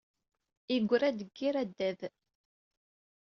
Yeggra-d deg yir addad.